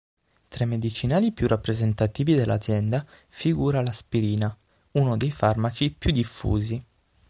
Tra i medicinali più rappresentativi dell'azienda figura l'aspirina, uno dei farmaci più diffusi.